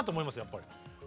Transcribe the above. やっぱり。